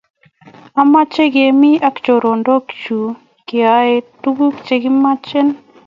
Achame kemi ak choronok chuk keyoe tuk che kichome